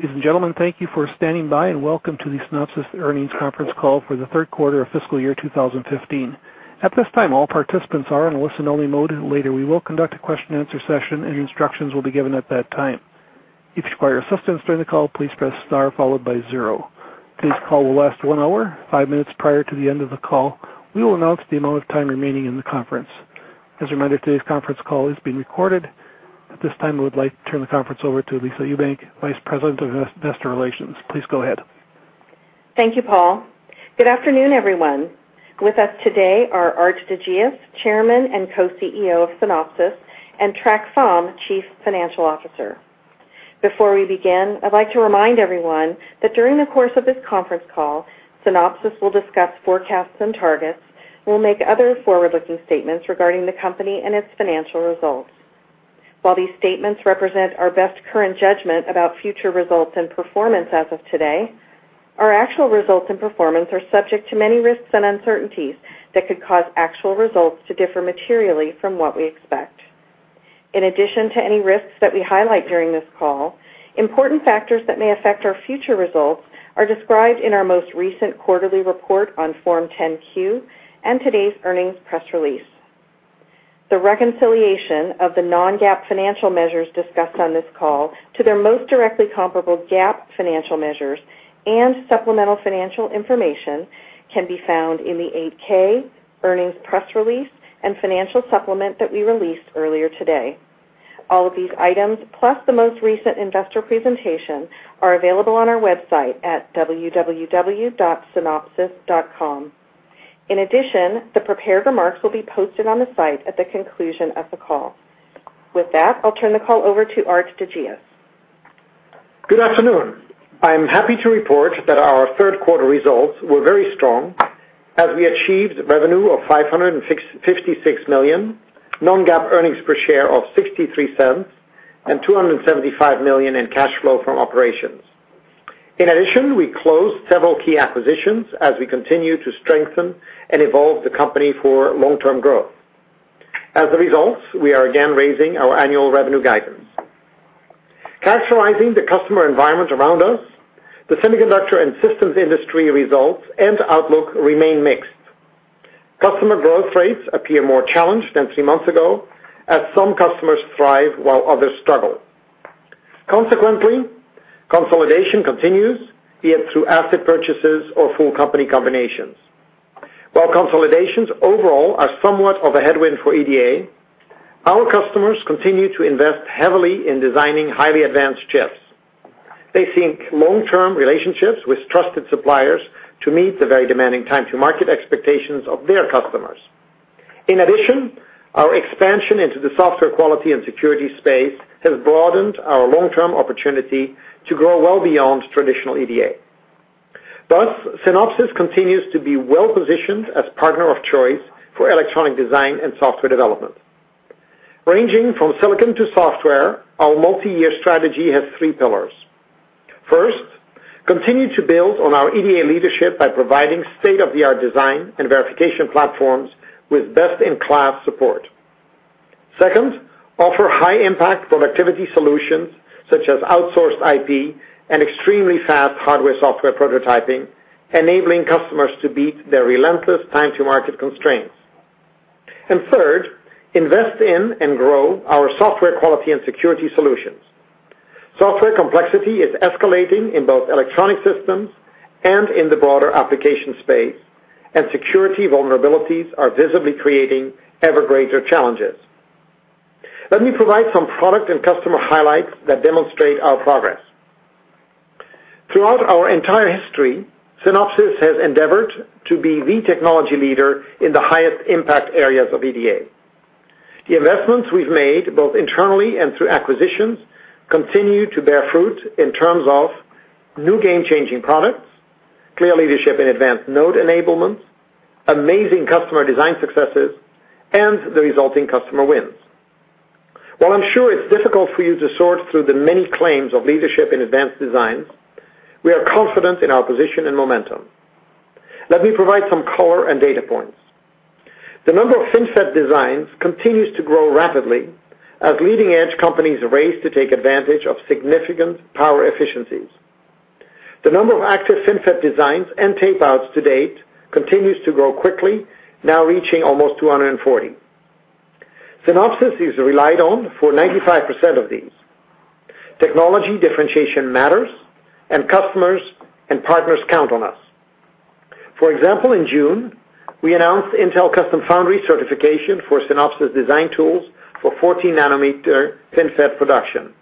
Ladies and gentlemen, thank you for standing by. Welcome to the Synopsys earnings conference call for the third quarter of fiscal year 2015. At this time, all participants are in a listen-only mode. Later, we will conduct a question and answer session. Instructions will be given at that time. If you require assistance during the call, please press star followed by zero. Today's call will last one hour. Five minutes prior to the end of the call, we will announce the amount of time remaining in the conference. As a reminder, today's conference call is being recorded. At this time, I would like to turn the conference over to Lisa Ewbank, Vice President of Investor Relations. Please go ahead. Thank you, Paul. Good afternoon, everyone. With us today are Aart de Geus, Chairman and Co-CEO of Synopsys, and Trac Pham, Chief Financial Officer. Before we begin, I'd like to remind everyone that during the course of this conference call, Synopsys will discuss forecasts and targets. Will make other forward-looking statements regarding the company and its financial results. While these statements represent our best current judgment about future results and performance as of today, our actual results and performance are subject to many risks and uncertainties that could cause actual results to differ materially from what we expect. In addition to any risks that we highlight during this call, important factors that may affect our future results are described in our most recent quarterly report on Form 10-Q and today's earnings press release. The reconciliation of the non-GAAP financial measures discussed on this call to their most directly comparable GAAP financial measures and supplemental financial information can be found in the 8-K, earnings press release, and financial supplement that we released earlier today. All of these items, plus the most recent investor presentation, are available on our website at www.synopsys.com. In addition, the prepared remarks will be posted on the site at the conclusion of the call. With that, I'll turn the call over to Aart de Geus. Good afternoon. I am happy to report that our third quarter results were very strong as we achieved revenue of $556 million, non-GAAP earnings per share of $0.63, and $275 million in cash flow from operations. In addition, we closed several key acquisitions as we continue to strengthen and evolve the company for long-term growth. As a result, we are again raising our annual revenue guidance. Characterizing the customer environment around us, the semiconductor and systems industry results and outlook remain mixed. Customer growth rates appear more challenged than three months ago, as some customers thrive while others struggle. Consequently, consolidation continues, be it through asset purchases or full company combinations. While consolidations overall are somewhat of a headwind for EDA, our customers continue to invest heavily in designing highly advanced chips. They seek long-term relationships with trusted suppliers to meet the very demanding time-to-market expectations of their customers. In addition, our expansion into the software quality and security space has broadened our long-term opportunity to grow well beyond traditional EDA. Thus, Synopsys continues to be well-positioned as partner of choice for electronic design and software development. Ranging from silicon to software, our multi-year strategy has three pillars. First, continue to build on our EDA leadership by providing state-of-the-art design and verification platforms with best-in-class support. Second, offer high-impact productivity solutions such as outsourced IP and extremely fast hardware/software prototyping, enabling customers to beat their relentless time-to-market constraints. Third, invest in and grow our software quality and security solutions. Software complexity is escalating in both electronic systems and in the broader application space, and security vulnerabilities are visibly creating ever greater challenges. Let me provide some product and customer highlights that demonstrate our progress. Throughout our entire history, Synopsys has endeavored to be the technology leader in the highest impact areas of EDA. The investments we've made, both internally and through acquisitions, continue to bear fruit in terms of new game-changing products, clear leadership in advanced node enablement, amazing customer design successes, and the resulting customer wins. While I'm sure it's difficult for you to sort through the many claims of leadership in advanced designs, we are confident in our position and momentum. Let me provide some color and data points. The number of FinFET designs continues to grow rapidly as leading-edge companies race to take advantage of significant power efficiencies. The number of active FinFET designs and tape-outs to date continues to grow quickly, now reaching almost 240. Synopsys is relied on for 95% of these. Technology differentiation matters, and customers and partners count on us. For example, in June, we announced Intel Custom Foundry certification for Synopsys design tools for 14-nanometer FinFET production.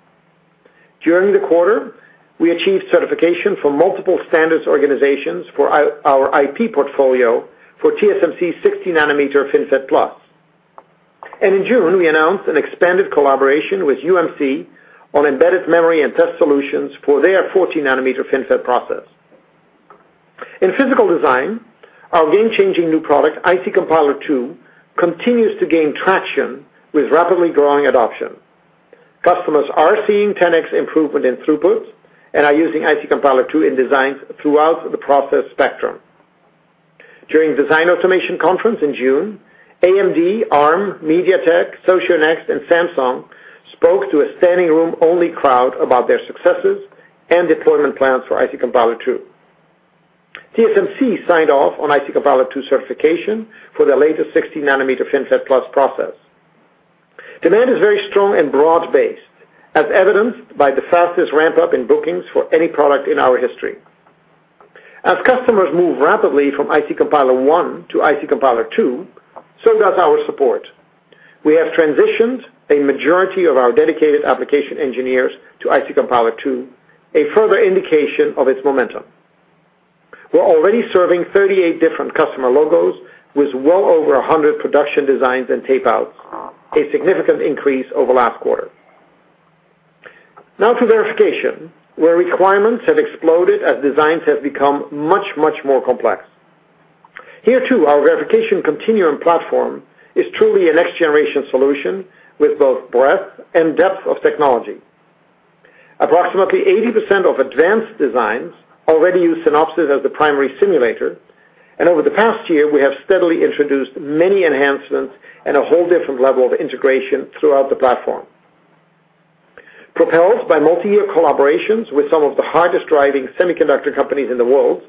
During the quarter, we achieved certification for multiple standards organizations for our IP portfolio for TSMC's 16-nanometer FinFET Plus. In June, we announced an expanded collaboration with UMC on embedded memory and test solutions for their 14-nanometer FinFET process. In physical design, our game-changing new product, IC Compiler II, continues to gain traction with rapidly growing adoption. Customers are seeing 10x improvement in throughputs and are using IC Compiler II in designs throughout the process spectrum. During Design Automation Conference in June, AMD, Arm, MediaTek, Socionext, and Samsung spoke to a standing-room only crowd about their successes and deployment plans for ICC2. TSMC signed off on ICC2 certification for their latest 16 nanometer FinFET+ process. Demand is very strong and broad-based, as evidenced by the fastest ramp-up in bookings for any product in our history. As customers move rapidly from IC Compiler 1 to IC Compiler 2, so does our support. We have transitioned a majority of our dedicated application engineers to ICC2, a further indication of its momentum. We're already serving 38 different customer logos with well over 100 production designs and tape-outs, a significant increase over last quarter. Now to verification, where requirements have exploded as designs have become much, much more complex. Here, too, our Verification Continuum platform is truly a next-generation solution with both breadth and depth of technology. Approximately 80% of advanced designs already use Synopsys as the primary simulator, and over the past year, we have steadily introduced many enhancements and a whole different level of integration throughout the platform. Propelled by multi-year collaborations with some of the hardest-driving semiconductor companies in the world,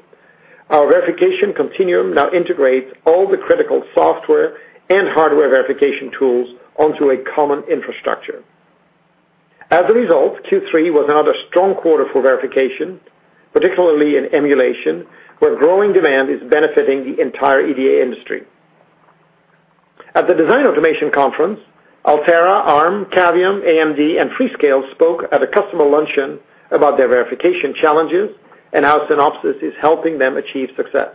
our Verification Continuum now integrates all the critical software and hardware verification tools onto a common infrastructure. As a result, Q3 was another strong quarter for verification, particularly in emulation, where growing demand is benefiting the entire EDA industry. At the Design Automation Conference, Altera, Arm, Cavium, AMD, and Freescale spoke at a customer luncheon about their verification challenges and how Synopsys is helping them achieve success.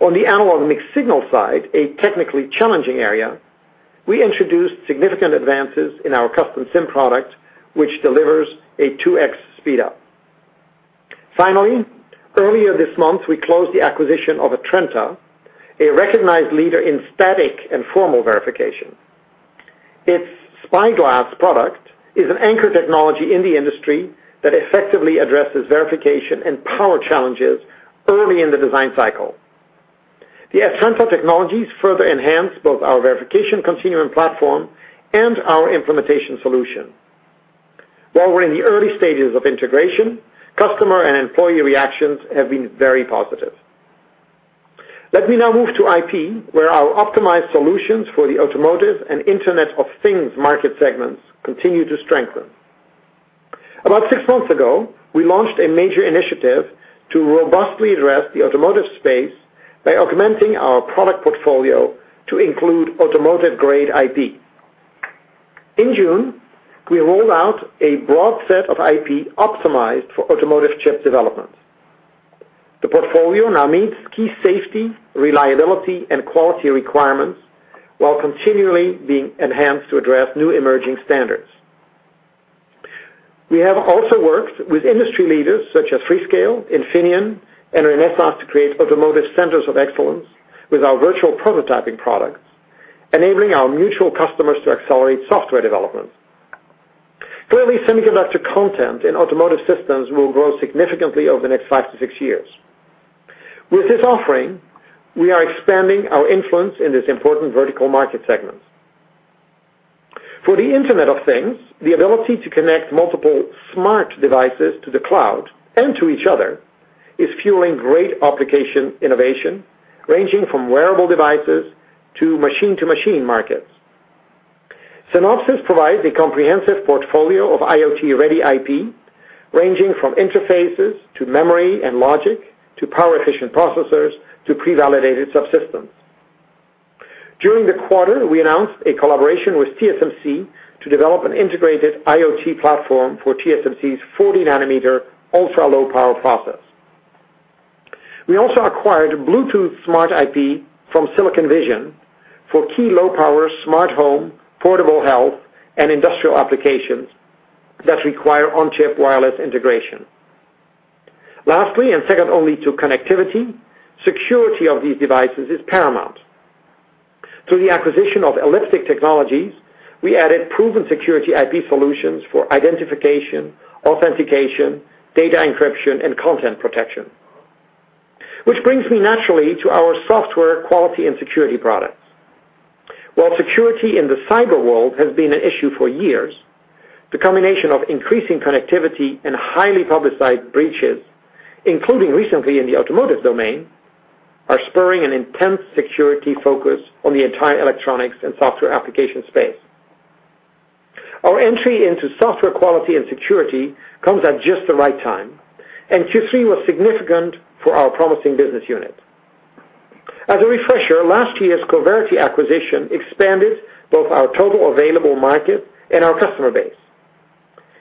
On the analog mixed signal side, a technically challenging area, we introduced significant advances in our CustomSim product, which delivers a 2X speed-up. Finally, earlier this month, we closed the acquisition of Atrenta, a recognized leader in static and formal verification. Its SpyGlass product is an anchor technology in the industry that effectively addresses verification and power challenges early in the design cycle. The Atrenta technologies further enhance both our Verification Continuum platform and our implementation solution. While we are in the early stages of integration, customer and employee reactions have been very positive. Let me now move to IP, where our optimized solutions for the automotive and Internet of Things market segments continue to strengthen. About six months ago, we launched a major initiative to robustly address the automotive space by augmenting our product portfolio to include automotive-grade IP. In June, we rolled out a broad set of IP optimized for automotive chip development. The portfolio now meets key safety, reliability, and quality requirements while continually being enhanced to address new emerging standards. We have also worked with industry leaders such as Freescale, Infineon, and Renesas to create automotive centers of excellence with our virtual prototyping products, enabling our mutual customers to accelerate software development. Clearly, semiconductor content in automotive systems will grow significantly over the next five to six years. With this offering, we are expanding our influence in this important vertical market segment. For the Internet of Things, the ability to connect multiple smart devices to the cloud and to each other is fueling great application innovation, ranging from wearable devices to machine-to-machine markets. Synopsys provides a comprehensive portfolio of IoT-ready IP, ranging from interfaces to memory and logic, to power-efficient processors, to pre-validated subsystems. During the quarter, we announced a collaboration with TSMC to develop an integrated IoT platform for TSMC's 40 nanometer ultra-low power process. We also acquired Bluetooth smart IP from Silicon Vision for key low-power smart home, portable health, and industrial applications that require on-chip wireless integration. Lastly, second only to connectivity, security of these devices is paramount. Through the acquisition of Elliptic Technologies, we added proven security IP solutions for identification, authentication, data encryption, and content protection. Which brings me naturally to our software quality and security products. While security in the cyber world has been an issue for years, the combination of increasing connectivity and highly publicized breaches, including recently in the automotive domain, are spurring an intense security focus on the entire electronics and software application space. Our entry into software quality and security comes at just the right time, and Q3 was significant for our promising business unit. As a refresher, last year's Coverity acquisition expanded both our total available market and our customer base.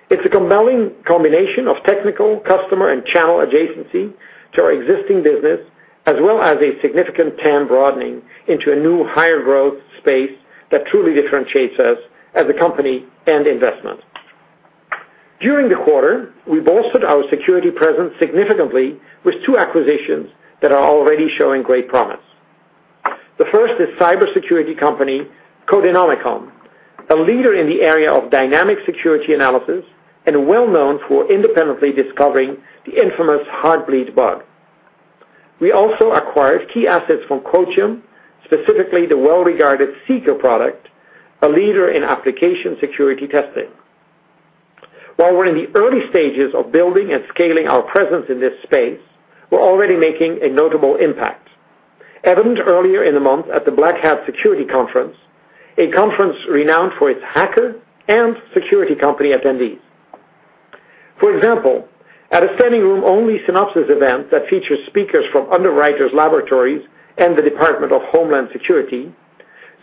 It is a compelling combination of technical, customer, and channel adjacency to our existing business, as well as a significant TAM broadening into a new higher growth space that truly differentiates us as a company and investment. During the quarter, we bolstered our security presence significantly with two acquisitions that are already showing great promise. The first is cybersecurity company, Codenomicon, a leader in the area of dynamic security analysis and well-known for independently discovering the infamous Heartbleed bug. We also acquired key assets from Quotium, specifically the well-regarded Seeker product, a leader in application security testing. While we're in the early stages of building and scaling our presence in this space, we're already making a notable impact. Evident earlier in the month at the Black Hat Security Conference, a conference renowned for its hacker and security company attendees. For example, at a standing-room only Synopsys event that featured speakers from Underwriters Laboratories and the Department of Homeland Security,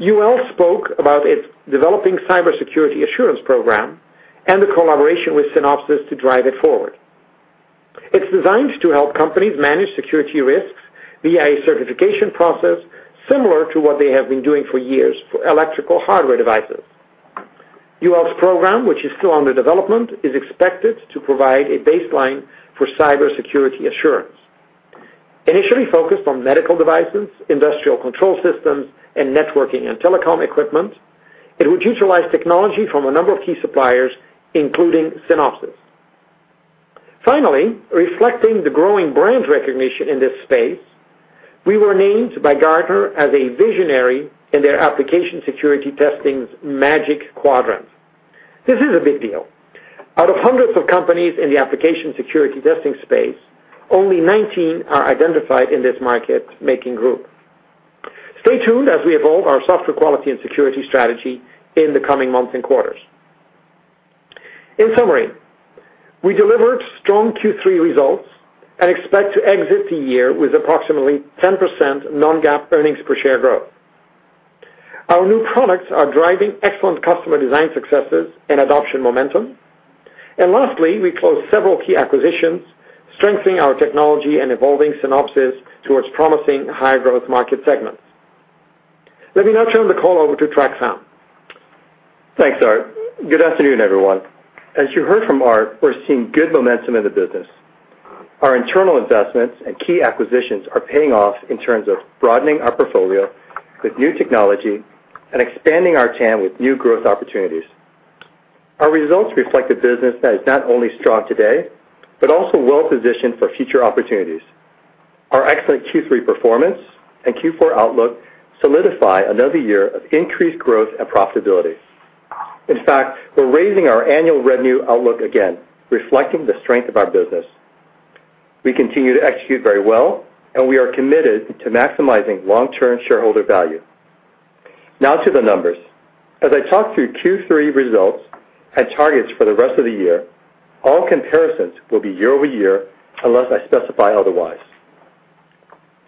UL spoke about its developing cybersecurity assurance program and the collaboration with Synopsys to drive it forward. It's designed to help companies manage security risks via a certification process similar to what they have been doing for years for electrical hardware devices. UL's program, which is still under development, is expected to provide a baseline for cybersecurity assurance. Initially focused on medical devices, industrial control systems, and networking and telecom equipment, it would utilize technology from a number of key suppliers, including Synopsys. Reflecting the growing brand recognition in this space, we were named by Gartner as a visionary in their application security testing's Magic Quadrant. This is a big deal. Out of hundreds of companies in the application security testing space, only 19 are identified in this market-making group. Stay tuned as we evolve our software quality and security strategy in the coming months and quarters. In summary, we delivered strong Q3 results and expect to exit the year with approximately 10% non-GAAP earnings per share growth. Our new products are driving excellent customer design successes and adoption momentum. Lastly, we closed several key acquisitions, strengthening our technology and evolving Synopsys towards promising higher growth market segments. Let me now turn the call over to Trac Pham. Thanks, Aart. Good afternoon, everyone. As you heard from Aart, we're seeing good momentum in the business. Our internal investments and key acquisitions are paying off in terms of broadening our portfolio with new technology and expanding our TAM with new growth opportunities. Our results reflect a business that is not only strong today, but also well-positioned for future opportunities. Our excellent Q3 performance and Q4 outlook solidify another year of increased growth and profitability. In fact, we're raising our annual revenue outlook again, reflecting the strength of our business. We continue to execute very well, and we are committed to maximizing long-term shareholder value. Now to the numbers. As I talk through Q3 results and targets for the rest of the year, all comparisons will be year-over-year unless I specify otherwise.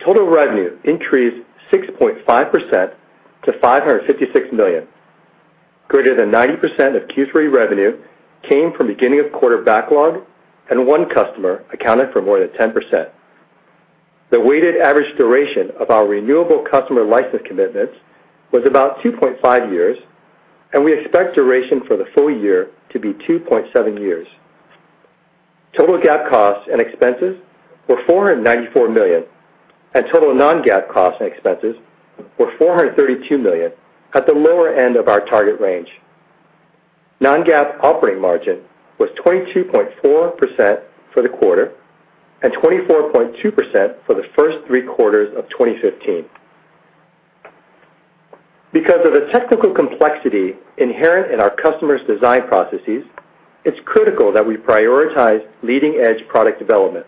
Total revenue increased 6.5% to $556 million. Greater than 90% of Q3 revenue came from beginning of quarter backlog and one customer accounted for more than 10%. The weighted average duration of our renewable customer license commitments was about 2.5 years, and we expect duration for the full year to be 2.7 years. Total GAAP costs and expenses were $494 million, and total non-GAAP costs and expenses were $432 million at the lower end of our target range. Non-GAAP operating margin was 22.4% for the quarter and 24.2% for the first three quarters of 2015. Because of the technical complexity inherent in our customers' design processes, it's critical that we prioritize leading-edge product development.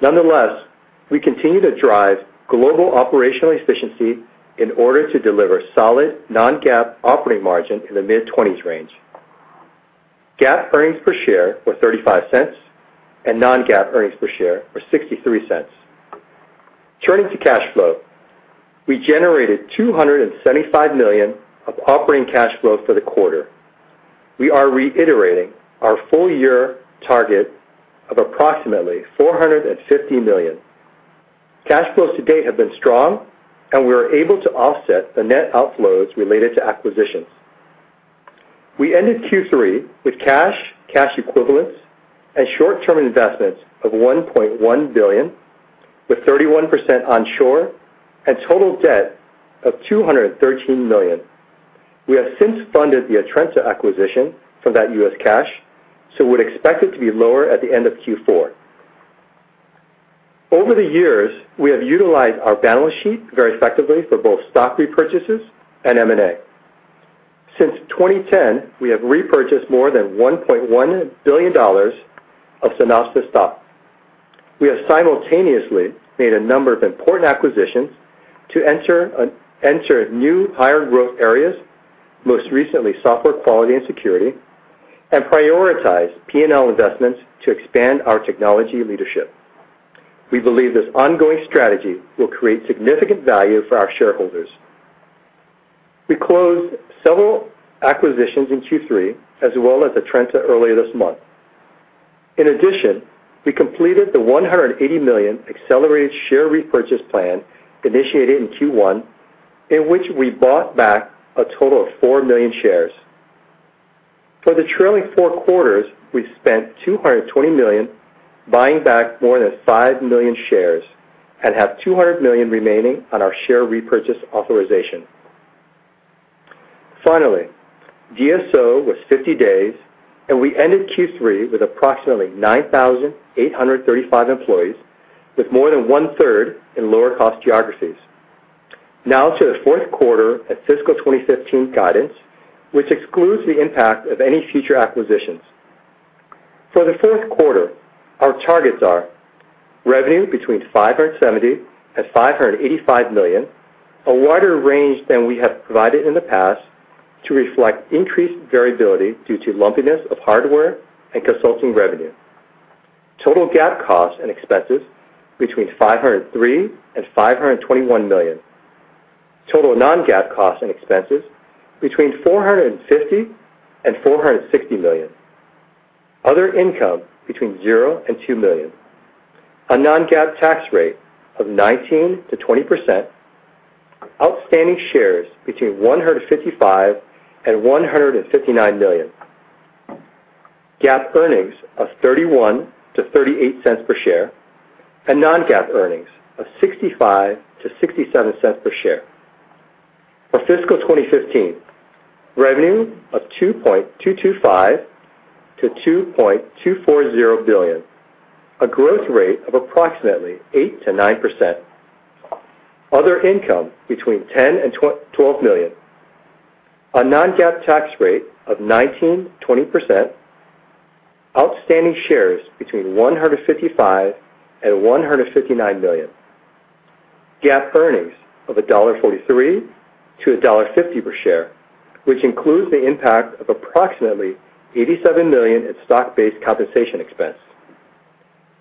Nonetheless, we continue to drive global operational efficiency in order to deliver solid non-GAAP operating margin in the mid-20s range. GAAP earnings per share were $0.35 and non-GAAP earnings per share were $0.63. Turning to cash flow. We generated $275 million of operating cash flow for the quarter. We are reiterating our full year target of approximately $450 million. Cash flows to date have been strong, and we are able to offset the net outflows related to acquisitions. We ended Q3 with cash equivalents, and short-term investments of $1.1 billion, with 31% onshore and total debt of $213 million. We have since funded the Atrenta acquisition from that U.S. cash, so we'd expect it to be lower at the end of Q4. Over the years, we have utilized our balance sheet very effectively for both stock repurchases and M&A. Since 2010, we have repurchased more than $1.1 billion of Synopsys stock. We have simultaneously made a number of important acquisitions to enter new higher growth areas, most recently software quality and security, and prioritize P&L investments to expand our technology leadership. We believe this ongoing strategy will create significant value for our shareholders. We closed several acquisitions in Q3, as well as Atrenta earlier this month. In addition, we completed the $180 million accelerated share repurchase plan initiated in Q1, in which we bought back a total of 4 million shares. For the trailing four quarters, we've spent $220 million buying back more than 5 million shares and have $200 million remaining on our share repurchase authorization. Finally, DSO was 50 days, and we ended Q3 with approximately 9,835 employees, with more than one-third in lower cost geographies. Now to the fourth quarter at fiscal 2015 guidance, which excludes the impact of any future acquisitions. For the fourth quarter, our targets are revenue between $570 million and $585 million, a wider range than we have provided in the past to reflect increased variability due to lumpiness of hardware and consulting revenue. Total GAAP cost and expenses between $503 million and $521 million. Total non-GAAP costs and expenses between $450 million and $460 million. Other income between zero and $2 million. A non-GAAP tax rate of 19%-20%. Outstanding shares between 155 million and 159 million. GAAP earnings of $0.31 to $0.38 per share, and non-GAAP earnings of $0.65 to $0.67 per share. For fiscal 2015, revenue of $2.225 billion to $2.240 billion, a growth rate of approximately 8%-9%. Other income between $10 million and $12 million. A non-GAAP tax rate of 19%-20%. Outstanding shares between 155 million and 159 million. GAAP earnings of $1.43 to $1.50 per share, which includes the impact of approximately $87 million in stock-based compensation expense.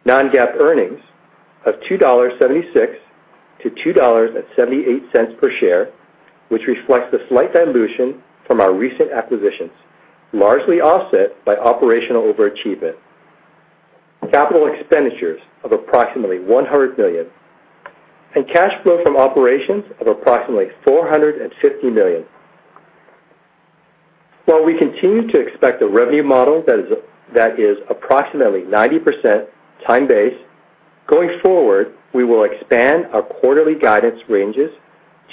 Non-GAAP earnings of $2.76 to $2.78 per share, which reflects the slight dilution from our recent acquisitions, largely offset by operational overachievement. Capital expenditures of approximately $100 million. Cash flow from operations of approximately $450 million. While we continue to expect a revenue model that is approximately 90% time-based, going forward, we will expand our quarterly guidance ranges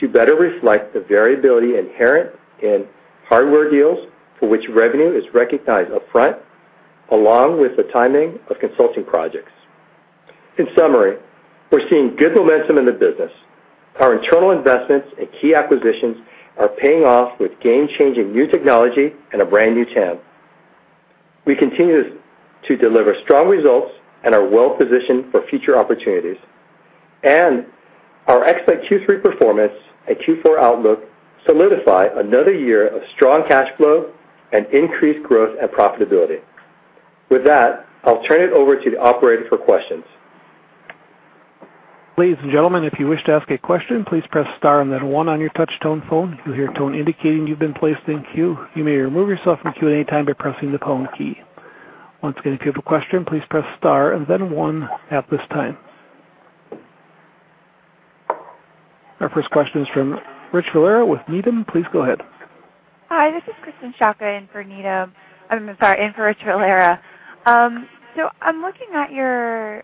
to better reflect the variability inherent in hardware deals for which revenue is recognized upfront, along with the timing of consulting projects. In summary, we're seeing good momentum in the business. Our internal investments and key acquisitions are paying off with game-changing new technology and a brand new channel. We continue to deliver strong results and are well-positioned for future opportunities. Our expected Q3 performance and Q4 outlook solidify another year of strong cash flow and increased growth and profitability. With that, I'll turn it over to the operator for questions. Ladies and gentlemen, if you wish to ask a question, please press star and then one on your touch tone phone. You'll hear a tone indicating you've been placed in queue. You may remove yourself from queue at any time by pressing the pound key. Once again, if you have a question, please press star and then one at this time. Our first question is from Rich Valera with Needham. Please go ahead. Hi, this is Krysten Sciacca in for Needham. I'm sorry, in for Rich Valera. I'm looking at your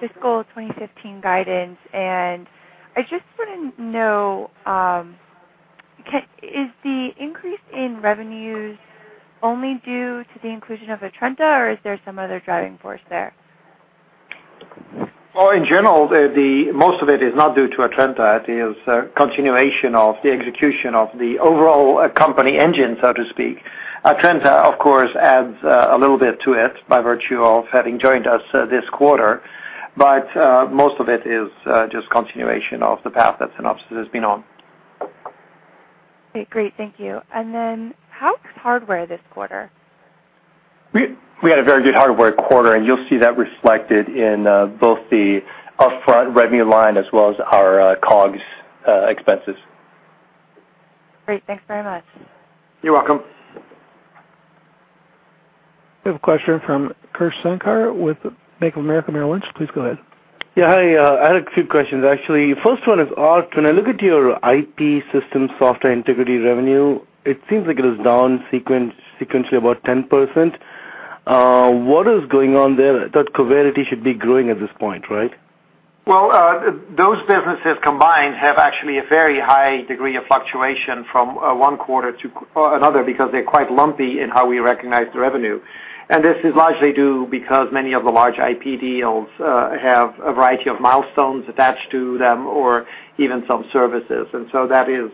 fiscal 2015 guidance, and I just want to know, is the increase in revenues only due to the inclusion of Atrenta, or is there some other driving force there? In general, most of it is not due to Atrenta. It is a continuation of the execution of the overall company engine, so to speak. Atrenta, of course, adds a little bit to it by virtue of having joined us this quarter. Most of it is just continuation of the path that Synopsys has been on. Okay, great. Thank you. How is hardware this quarter? We had a very good hardware quarter, and you'll see that reflected in both the upfront revenue line as well as our COGS expenses. Great. Thanks very much. You're welcome. We have a question from Krish Sankar with Bank of America Merrill Lynch. Please go ahead. Yeah. Hi, I had a few questions, actually. First one is, Aart, when I look at your IP system Software Integrity revenue, it seems like it is down sequentially about 10%. What is going on there? Coverity should be growing at this point, right? Well, those businesses combined have actually a very high degree of fluctuation from one quarter to another because they're quite lumpy in how we recognize the revenue. This is largely due because many of the large IP deals have a variety of milestones attached to them or even some services. That is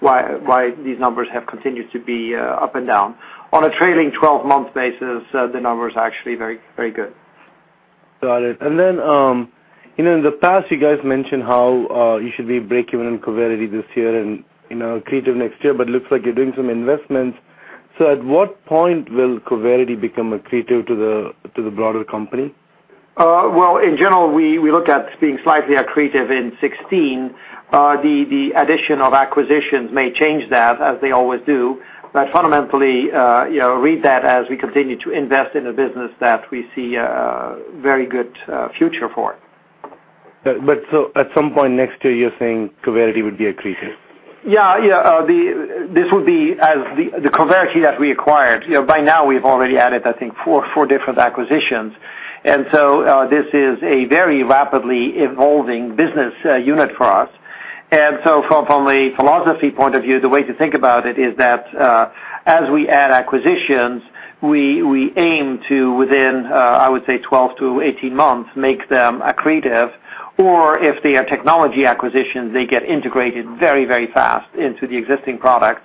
why these numbers have continued to be up and down. On a trailing 12-month basis, the number is actually very good. Got it. In the past, you guys mentioned how you should be breakeven in Coverity this year and accretive next year, it looks like you're doing some investments. At what point will Coverity become accretive to the broader company? In general, we look at being slightly accretive in '16. The addition of acquisitions may change that, as they always do. Fundamentally, read that as we continue to invest in a business that we see a very good future for. At some point next year, you're saying Coverity would be accretive? The Coverity that we acquired, by now we've already added, I think, 4 different acquisitions. This is a very rapidly evolving business unit for us. From a philosophy point of view, the way to think about it is that, as we add acquisitions, we aim to, within I would say 12 to 18 months, make them accretive or if they are technology acquisitions, they get integrated very fast into the existing product.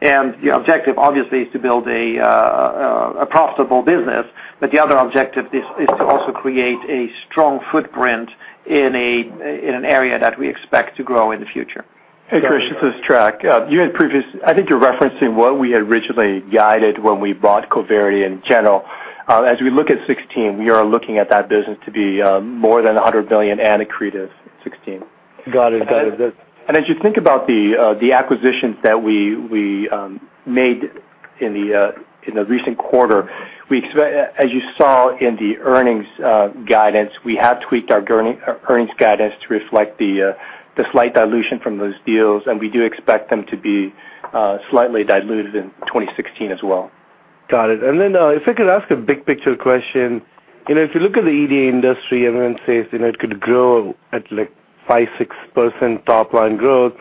The objective, obviously, is to build a profitable business, the other objective is to also create a strong footprint in an area that we expect to grow in the future. Hey, Krish, this is Trac. I think you're referencing what we had originally guided when we bought Coverity in general. As we look at '16, we are looking at that business to be more than $100 million and accretive '16. Got it. As you think about the acquisitions that we made in the recent quarter, as you saw in the earnings guidance, we have tweaked our earnings guidance to reflect the slight dilution from those deals, and we do expect them to be slightly diluted in 2016 as well. Got it. If I could ask a big picture question, if you look at the EDA industry, everyone says it could grow at 5%-6% top-line growth.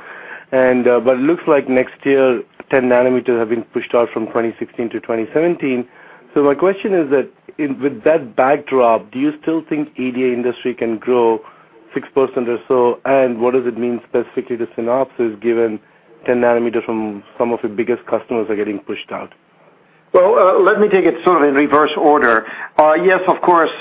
It looks like next year, 10 nanometer have been pushed out from 2016 to 2017. My question is that with that backdrop, do you still think EDA industry can grow 6% or so, and what does it mean specifically to Synopsys, given 10 nanometer from some of the biggest customers are getting pushed out? Well, let me take it sort of in reverse order. Yes, of course,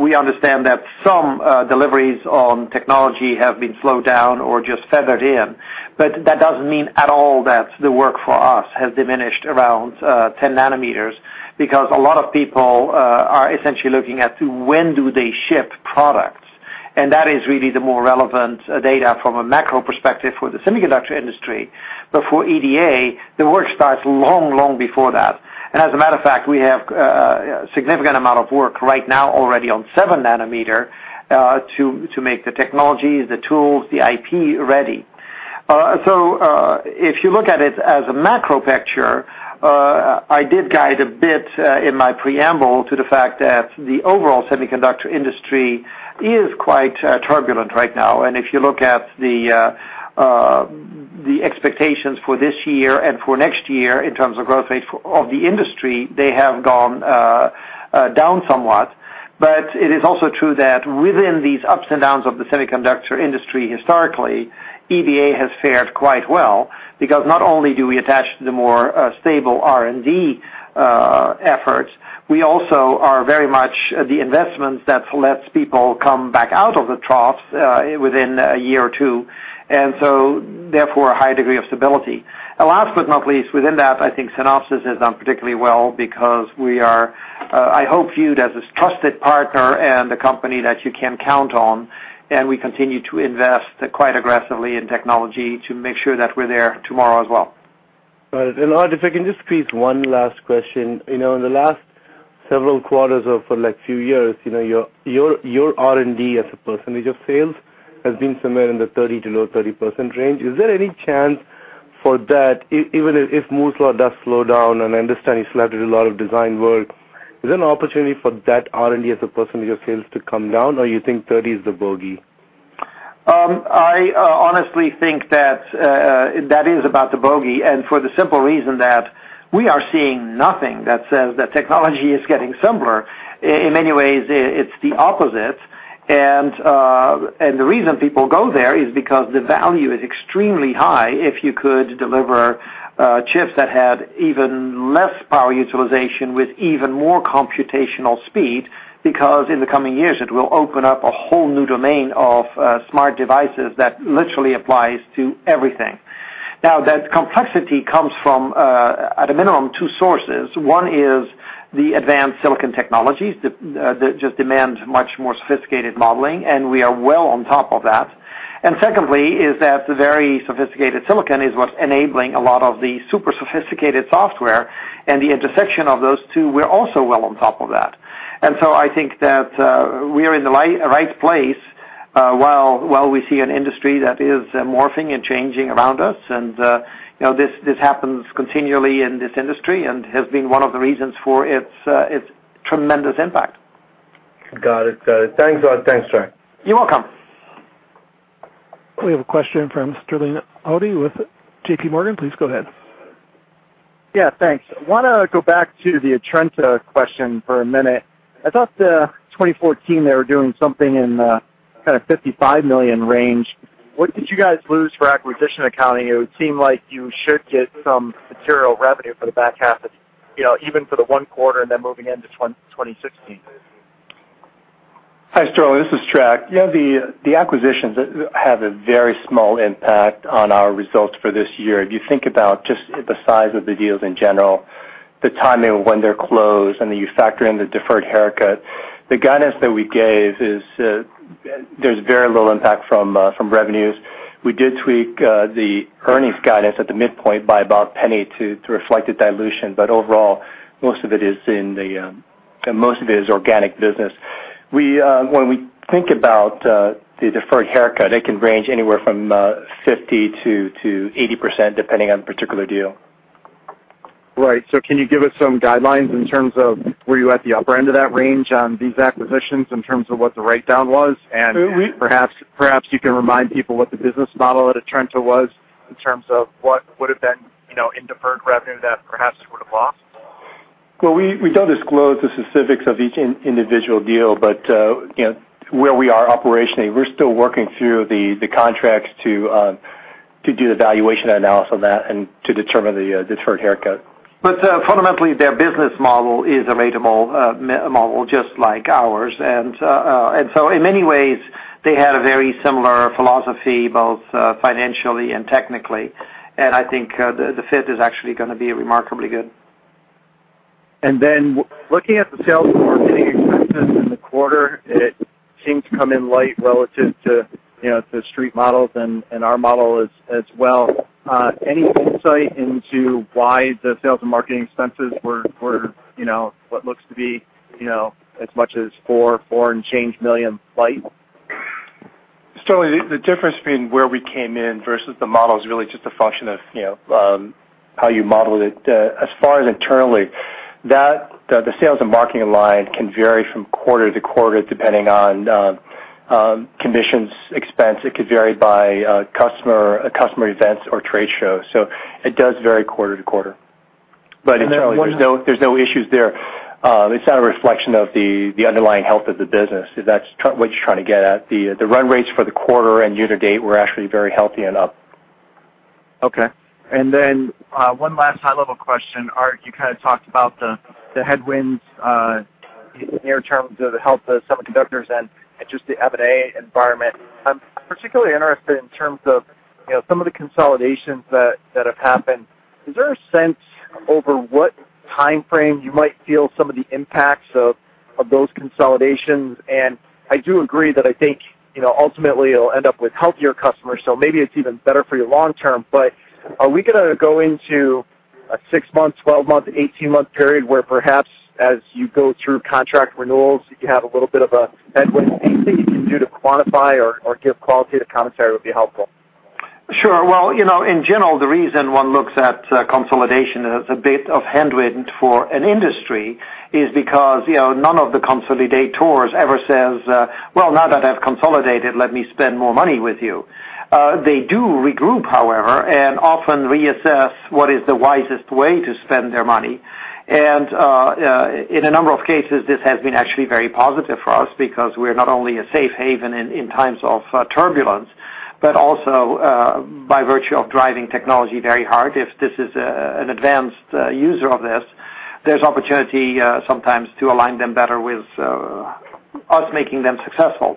we understand that some deliveries on technology have been slowed down or just feathered in, but that doesn't mean at all that the work for us has diminished around 10 nanometer, because a lot of people are essentially looking at when do they ship products. That is really the more relevant data from a macro perspective for the semiconductor industry. For EDA, the work starts long before that. As a matter of fact, we have a significant amount of work right now already on seven nanometer, to make the technologies, the tools, the IP ready. If you look at it as a macro picture, I did guide a bit in my preamble to the fact that the overall semiconductor industry is quite turbulent right now. If you look at the expectations for this year and for next year in terms of growth rate of the industry, they have gone down somewhat. It is also true that within these ups and downs of the semiconductor industry historically, EDA has fared quite well because not only do we attach to the more stable R&D efforts, we also are very much the investment that lets people come back out of the troughs within a year or two, therefore, a high degree of stability. Last but not least, within that, I think Synopsys has done particularly well because we are, I hope, viewed as a trusted partner and a company that you can count on, we continue to invest quite aggressively in technology to make sure that we're there tomorrow as well. Got it. If I can just squeeze one last question. In the last several quarters or for few years, your R&D as a percentage of sales has been somewhere in the 30% to low 30% range. Is there any chance for that, even if Moore's Law does slow down, I understand you still have to do a lot of design work, is there an opportunity for that R&D as a percentage of sales to come down, or you think 30 is the bogey? I honestly think that is about the bogey, for the simple reason that we are seeing nothing that says that technology is getting simpler. In many ways, it's the opposite. The reason people go there is because the value is extremely high if you could deliver chips that had even less power utilization with even more computational speed, because in the coming years, it will open up a whole new domain of smart devices that literally applies to everything. Now, that complexity comes from, at a minimum, two sources. One is the advanced silicon technologies that just demand much more sophisticated modeling, we are well on top of that. Secondly is that the very sophisticated silicon is what's enabling a lot of the super sophisticated software and the intersection of those two, we're also well on top of that. I think that we are in the right place, while we see an industry that is morphing and changing around us, this happens continually in this industry and has been one of the reasons for its tremendous impact. Got it. Thanks a lot. Thanks, Trac. You're welcome. We have a question from Sterling Auty with J.P. Morgan. Please go ahead. Thanks. I want to go back to the Atrenta question for a minute. I thought 2014, they were doing something in the $55 million range. What did you guys lose for acquisition accounting? It would seem like you should get some material revenue for the back half, even for the one quarter and then moving into 2016. Hi, Sterling, this is Trac. The acquisitions have a very small impact on our results for this year. If you think about just the size of the deals in general, the timing of when they're closed, and then you factor in the deferred haircut, the guidance that we gave is there's very little impact from revenues. We did tweak the earnings guidance at the midpoint by about $0.01 to reflect the dilution. Overall, most of it is organic business. When we think about the deferred haircut, it can range anywhere from 50%-80%, depending on the particular deal. Right. Can you give us some guidelines in terms of, were you at the upper end of that range on these acquisitions in terms of what the write-down was? Perhaps you can remind people what the business model at Atrenta was in terms of what would have been in deferred revenue that perhaps you would have lost. Well, we don't disclose the specifics of each individual deal, but where we are operationally, we're still working through the contracts to do the valuation analysis on that and to determine the deferred haircut. Fundamentally, their business model is a ratable model, just like ours. In many ways, they had a very similar philosophy, both financially and technically. I think the fit is actually going to be remarkably good. Looking at the sales and marketing expenses in the quarter, it seemed to come in light relative to the street models and our model as well. Any insight into why the sales and marketing expenses were what looks to be as much as $4 million and change light? Certainly, the difference between where we came in versus the model is really just a function of how you model it. As far as internally, the sales and marketing line can vary from quarter-to-quarter, depending on commissions expense. It could vary by customer events or trade shows. It does vary quarter-to-quarter. There's no issues there. It's not a reflection of the underlying health of the business, if that's what you're trying to get at. The run rates for the quarter and year-to-date were actually very healthy and up. Okay. One last high-level question. Aart, you kind of talked about the headwinds in near terms of the health of semiconductors and just the M&A environment. I'm particularly interested in terms of some of the consolidations that have happened. Is there a sense over what timeframe you might feel some of the impacts of those consolidations? I do agree that I think ultimately it'll end up with healthier customers, so maybe it's even better for you long-term. Are we going to go into a six-month, 12-month, 18-month period where perhaps as you go through contract renewals, you could have a little bit of a headwind? Anything you can do to quantify or give qualitative commentary would be helpful. Sure. In general, the reason one looks at consolidation as a bit of handwringing for an industry is because none of the consolidators ever says, "Well, now that I've consolidated, let me spend more money with you." They do regroup, however, and often reassess what is the wisest way to spend their money. In a number of cases, this has been actually very positive for us because we're not only a safe haven in times of turbulence, but also by virtue of driving technology very hard, if this is an advanced user of this, there's opportunity sometimes to align them better with us making them successful.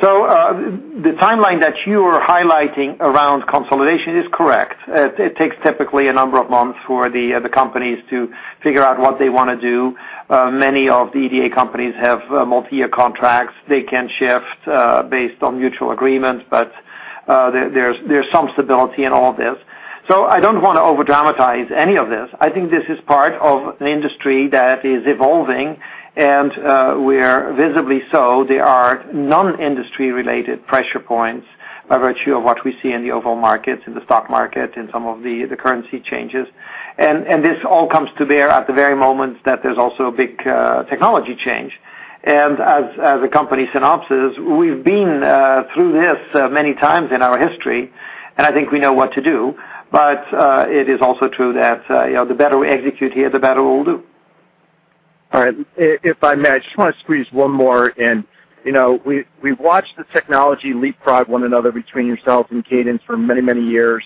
The timeline that you are highlighting around consolidation is correct. It takes typically a number of months for the companies to figure out what they want to do. Many of the EDA companies have multi-year contracts. They can shift based on mutual agreements, but there's some stability in all of this. I don't want to over-dramatize any of this. I think this is part of an industry that is evolving, and visibly so. There are non-industry-related pressure points by virtue of what we see in the overall markets, in the stock market, in some of the currency changes. This all comes to bear at the very moment that there's also a big technology change. As a company, Synopsys, we've been through this many times in our history, and I think we know what to do. It is also true that the better we execute here, the better we will do. All right. If I may, I just want to squeeze one more in. We've watched the technology leapfrog one another between yourselves and Cadence for many, many years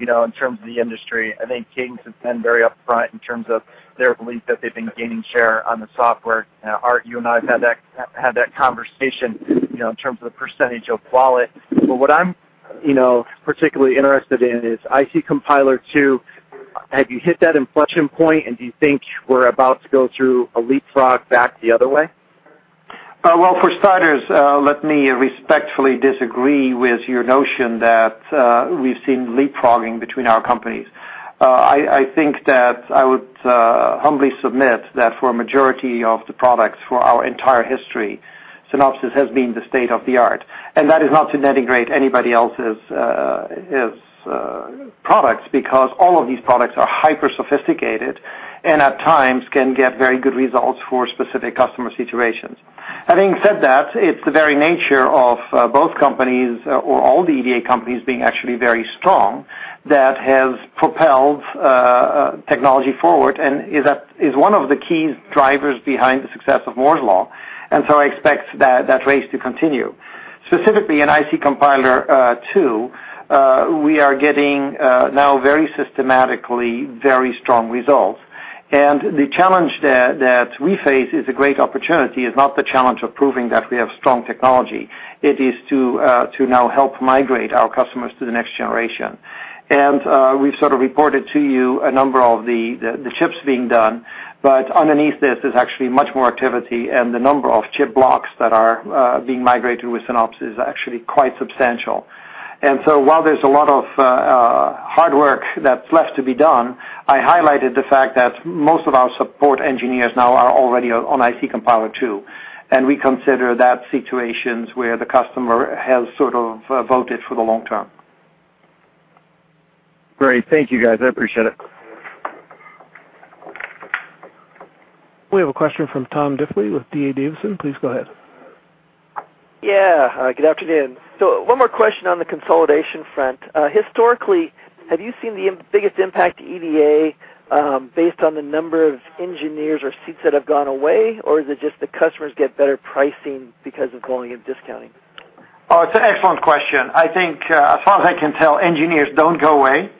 in terms of the industry. I think Cadence has been very upfront in terms of their belief that they've been gaining share on the software. Aart, you and I have had that conversation in terms of the percentage of wallet. What I'm particularly interested in is IC Compiler II. Have you hit that inflection point, and do you think we're about to go through a leapfrog back the other way? Well, for starters, let me respectfully disagree with your notion that we've seen leapfrogging between our companies. I think that I would humbly submit that for a majority of the products for our entire history, Synopsys has been the state of the art. That is not to denigrate anybody else's products, because all of these products are hyper-sophisticated and at times can get very good results for specific customer situations. Having said that, it's the very nature of both companies, or all the EDA companies being actually very strong, that has propelled technology forward and is one of the key drivers behind the success of Moore's Law. I expect that race to continue. Specifically in IC Compiler II, we are getting now very systematically very strong results. The challenge that we face is a great opportunity. It's not the challenge of proving that we have strong technology. It is to now help migrate our customers to the next generation. We've sort of reported to you a number of the chips being done, but underneath this is actually much more activity and the number of chip blocks that are being migrated with Synopsys is actually quite substantial. While there's a lot of hard work that's left to be done, I highlighted the fact that most of our support engineers now are already on IC Compiler II, and we consider that situations where the customer has sort of voted for the long term. Great. Thank you, guys. I appreciate it. We have a question from Tom Diffely with D.A. Davidson. Please go ahead. Yeah. Good afternoon. One more question on the consolidation front. Historically, have you seen the biggest impact to EDA based on the number of engineers or seats that have gone away, or is it just the customers get better pricing because of volume discounting? Oh, it's an excellent question. I think as far as I can tell, engineers don't go away.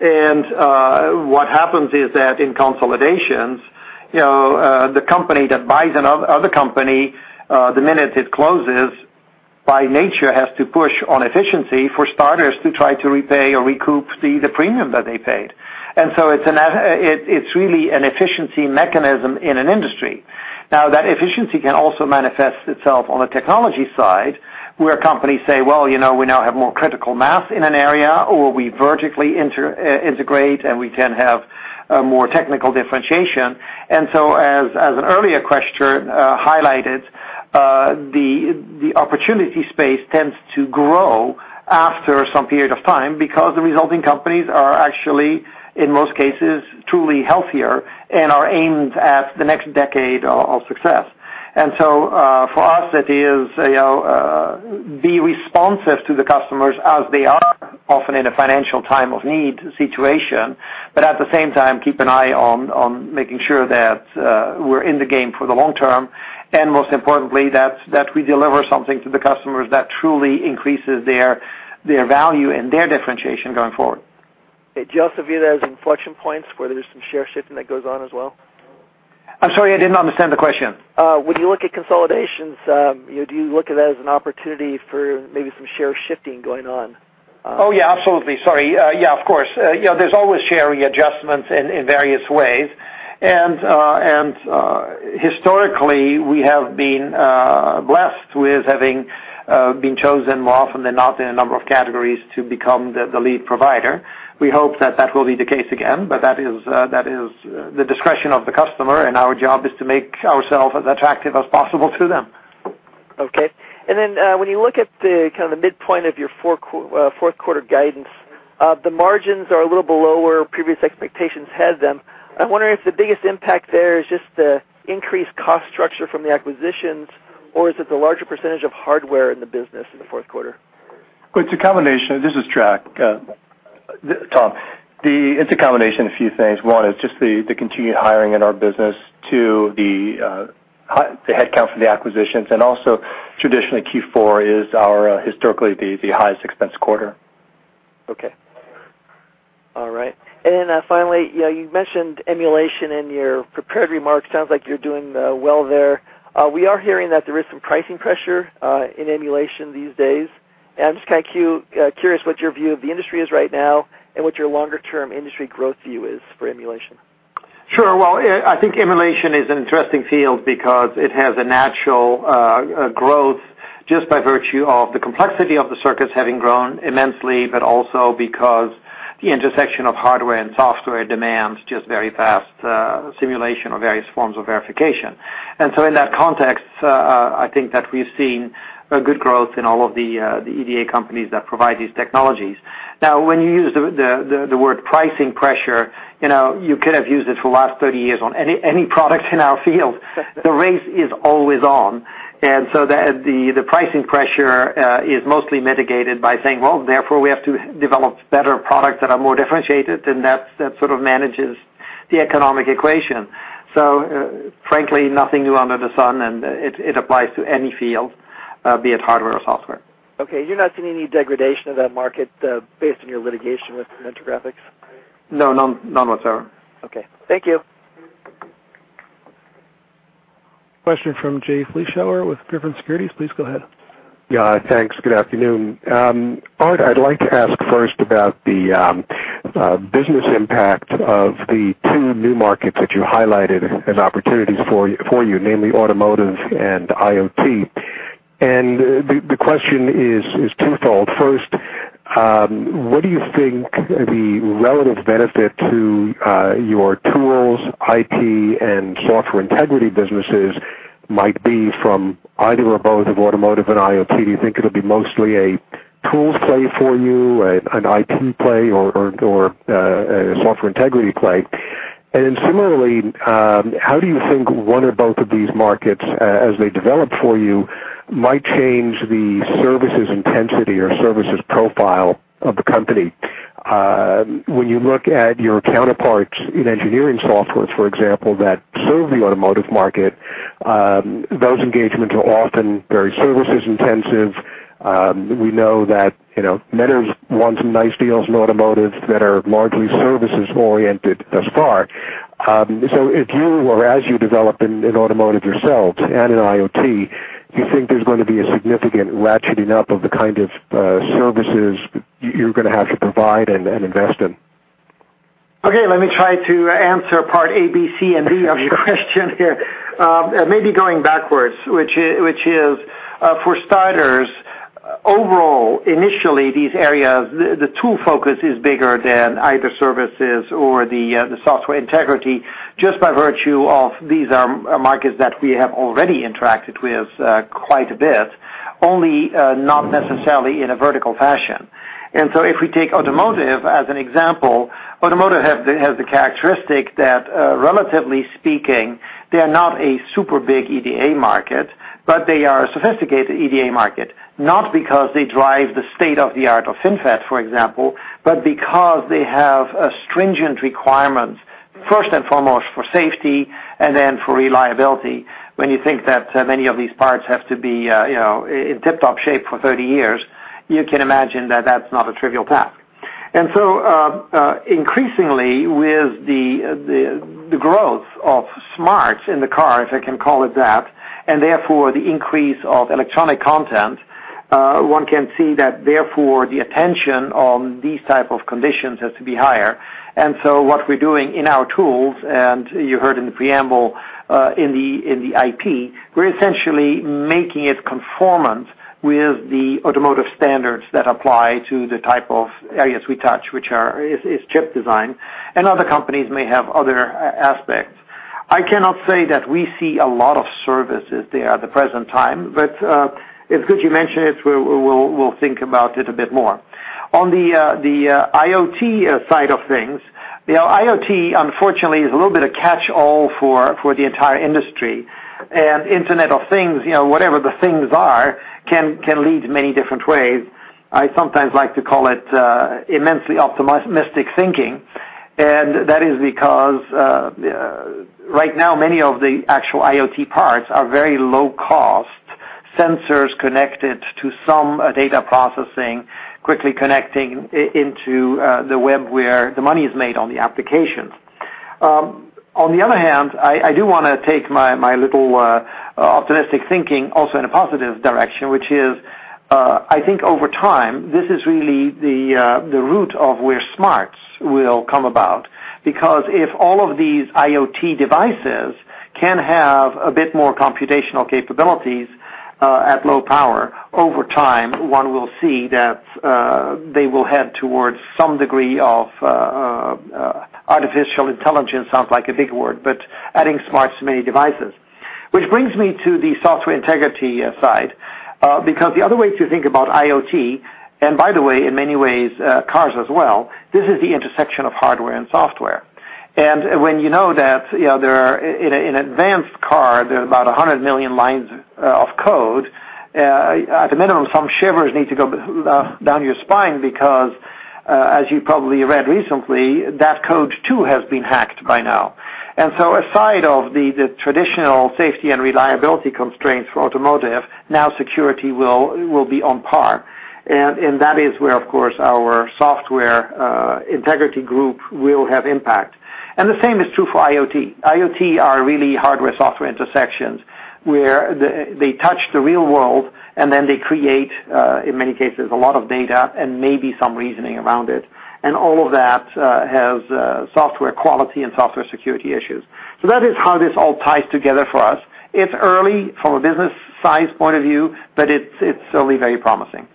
What happens is that in consolidations, the company that buys another company, the minute it closes, by nature has to push on efficiency for starters, to try to repay or recoup the premium that they paid. It's really an efficiency mechanism in an industry. That efficiency can also manifest itself on the technology side, where companies say, well, we now have more critical mass in an area, or we vertically integrate and we can have more technical differentiation. As an earlier question highlighted, the opportunity space tends to grow after some period of time because the resulting companies are actually, in most cases, truly healthier and are aimed at the next decade of success. For us, it is be responsive to the customers as they are often in a financial time of need situation, but at the same time, keep an eye on making sure that we're in the game for the long term, and most importantly, that we deliver something to the customers that truly increases their value and their differentiation going forward. Do you also view that as inflection points where there's some share shifting that goes on as well? I'm sorry, I didn't understand the question. When you look at consolidations, do you look at that as an opportunity for maybe some share shifting going on? Oh, yeah, absolutely. Sorry. Yeah, of course. There is always share readjustments in various ways. Historically, we have been blessed with having been chosen more often than not in a number of categories to become the lead provider. We hope that that will be the case again, but that is the discretion of the customer, and our job is to make ourselves as attractive as possible to them. Okay. When you look at the midpoint of your fourth quarter guidance, the margins are a little below where previous expectations had them. I wonder if the biggest impact there is just the increased cost structure from the acquisitions, or is it the larger percentage of hardware in the business in the fourth quarter? It is a combination. This is Trac. Tom, it is a combination of a few things. One is just the continued hiring in our business. Two, the headcount from the acquisitions, also traditionally, Q4 is historically the highest expense quarter. Okay. All right. Finally, you mentioned emulation in your prepared remarks. Sounds like you are doing well there. We are hearing that there is some pricing pressure in emulation these days. I am just curious what your view of the industry is right now and what your longer-term industry growth view is for emulation. Sure. Well, I think emulation is an interesting field because it has a natural growth just by virtue of the complexity of the circuits having grown immensely, but also because the intersection of hardware and software demands just very fast simulation or various forms of verification. In that context, I think that we've seen a good growth in all of the EDA companies that provide these technologies. Now, when you use the word pricing pressure, you could have used it for the last 30 years on any product in our field. The race is always on, the pricing pressure is mostly mitigated by saying, well, therefore, we have to develop better products that are more differentiated, that sort of manages the economic equation. Frankly, nothing new under the sun, and it applies to any field, be it hardware or software. Okay. You're not seeing any degradation of that market based on your litigation with Mentor Graphics? No, none whatsoever. Okay. Thank you. Question from Jay Vleeschhouwer with Griffin Securities. Please go ahead. Yeah, thanks. Good afternoon. Aart, I'd like to ask first about the business impact of the two new markets that you highlighted as opportunities for you, namely automotive and IoT. The question is twofold. First, what do you think the relative benefit to your tools, IP, and software integrity businesses might be from either or both of automotive and IoT? Do you think it'll be mostly a tools play for you, an IP play, or a software integrity play? Similarly, how do you think one or both of these markets, as they develop for you, might change the services intensity or services profile of the company? When you look at your counterparts in engineering softwares, for example, that serve the automotive market, those engagements are often very services intensive. We know that Mentor's won some nice deals in automotive that are largely services oriented thus far. If you, or as you develop in automotive yourselves and in IoT, do you think there's going to be a significant ratcheting up of the kind of services you're going to have to provide and invest in? Okay, let me try to answer part A, B, C, and D of your question here. Maybe going backwards, which is, for starters, overall, initially, these areas, the tool focus is bigger than either services or the software integrity just by virtue of these are markets that we have already interacted with quite a bit, only not necessarily in a vertical fashion. If we take automotive as an example, automotive has the characteristic that, relatively speaking, they are not a super big EDA market, but they are a sophisticated EDA market. Not because they drive the state-of-the-art of FinFET, for example, but because they have stringent requirements, first and foremost for safety, and then for reliability. When you think that many of these parts have to be in tip-top shape for 30 years, you can imagine that that's not a trivial task. Increasingly with the growth of smarts in the car, if I can call it that, and therefore the increase of electronic content, one can see that therefore the attention on these type of conditions has to be higher. What we're doing in our tools, and you heard in the preamble, in the IP, we're essentially making it conformant with the automotive standards that apply to the type of areas we touch, which is chip design, and other companies may have other aspects. I cannot say that we see a lot of services there at the present time, but it's good you mentioned it. We'll think about it a bit more. The IoT side of things, IoT unfortunately is a little bit of catchall for the entire industry, and Internet of Things, whatever the things are, can lead many different ways. I sometimes like to call it immensely optimistic thinking, that is because right now, many of the actual IoT parts are very low cost sensors connected to some data processing, quickly connecting into the web where the money is made on the applications. I do want to take my little optimistic thinking also in a positive direction, which is, I think over time, this is really the root of where smarts will come about. If all of these IoT devices can have a bit more computational capabilities at low power, over time, one will see that they will head towards some degree of artificial intelligence. Sounds like a big word, adding smarts to many devices. This brings me to the software integrity side, the other way to think about IoT, and by the way, in many ways, cars as well, this is the intersection of hardware and software. When you know that in an advanced car, there are about 100 million lines of code, at a minimum, some shivers need to go down your spine as you probably read recently, that code too has been hacked by now. Aside of the traditional safety and reliability constraints for automotive, now security will be on par, that is where, of course, our software integrity group will have impact. The same is true for IoT. IoT are really hardware-software intersections, where they touch the real world, they create, in many cases, a lot of data and maybe some reasoning around it. All of that has software quality and software security issues. That is how this all ties together for us. It's early from a business size point of view, it's certainly very promising.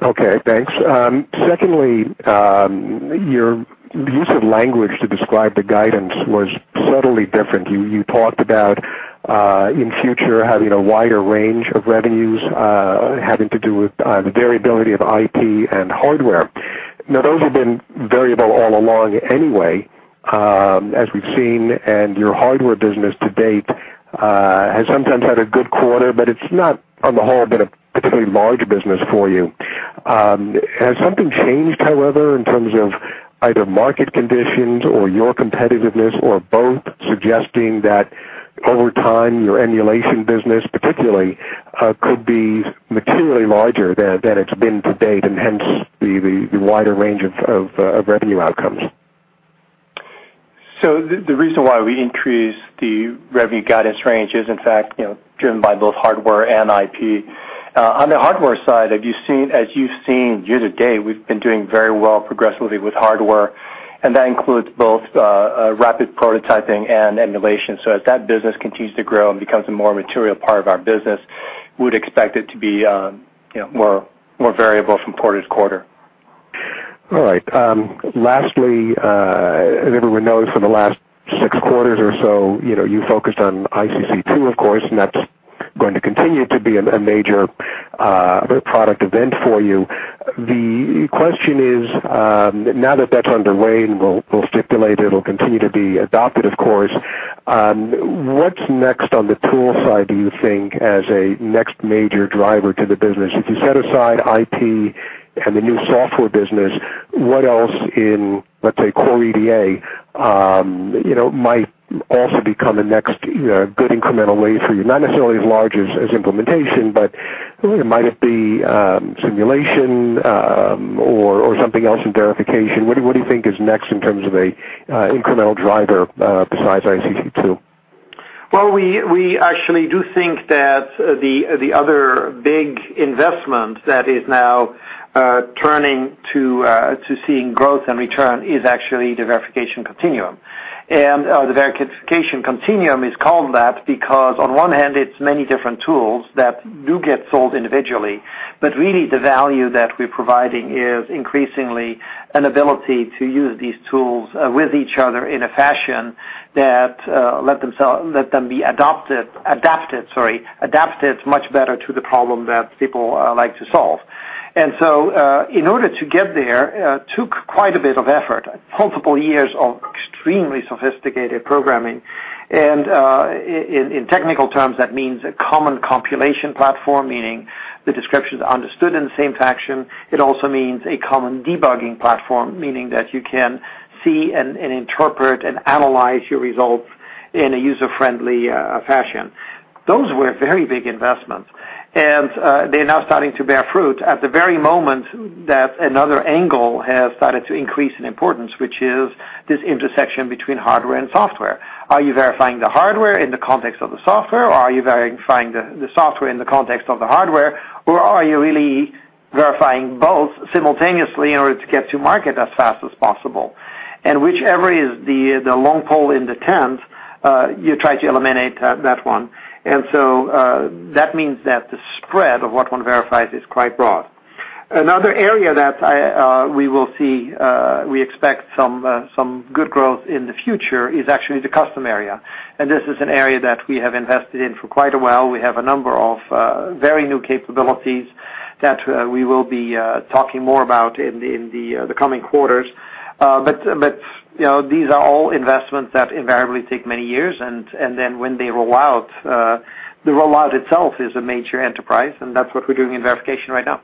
Okay, thanks. Secondly, your use of language to describe the guidance was subtly different. You talked about in future having a wider range of revenues, having to do with the variability of IP and hardware. Now, those have been variable all along anyway, as we've seen, and your hardware business to date has sometimes had a good quarter, but it's not on the whole been a particularly large business for you. Has something changed, however, in terms of either market conditions or your competitiveness or both, suggesting that over time, your emulation business particularly could be materially larger than it's been to date, and hence the wider range of revenue outcomes? The reason why we increased the revenue guidance range is in fact driven by both hardware and IP. On the hardware side, as you've seen year-to-date, we've been doing very well progressively with hardware, and that includes both rapid prototyping and emulation. As that business continues to grow and becomes a more material part of our business, we'd expect it to be more variable from quarter-to-quarter. All right. Lastly, as everyone knows, for the last six quarters or so, you focused on ICC2, of course, and that's going to continue to be a major product event for you. The question is, now that that's underway, and we'll stipulate it'll continue to be adopted of course, what's next on the tool side, do you think, as a next major driver to the business? If you set aside IP and the new software business, what else in, let's say, core EDA might also become a next good incremental wave for you? Not necessarily as large as implementation, but It might have been simulation or something else in verification. What do you think is next in terms of an incremental driver besides ICC2? Well, we actually do think that the other big investment that is now turning to seeing growth and return is actually the Verification Continuum. The Verification Continuum is called that because on one hand, it's many different tools that do get sold individually, but really the value that we're providing is increasingly an ability to use these tools with each other in a fashion that let them be adapted much better to the problem that people like to solve. In order to get there, took quite a bit of effort, multiple years of extremely sophisticated programming. In technical terms, that means a common compilation platform, meaning the description is understood in the same fashion. It also means a common debugging platform, meaning that you can see and interpret and analyze your results in a user-friendly fashion. Those were very big investments, and they're now starting to bear fruit at the very moment that another angle has started to increase in importance, which is this intersection between hardware and software. Are you verifying the hardware in the context of the software, or are you verifying the software in the context of the hardware, or are you really verifying both simultaneously in order to get to market as fast as possible? Whichever is the long pole in the tent, you try to eliminate that one. That means that the spread of what one verifies is quite broad. Another area that we will see we expect some good growth in the future is actually the custom area. This is an area that we have invested in for quite a while. We have a number of very new capabilities that we will be talking more about in the coming quarters. These are all investments that invariably take many years, and then when they roll out, the rollout itself is a major enterprise, and that's what we're doing in verification right now.